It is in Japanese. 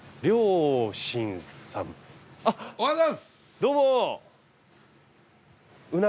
どうも。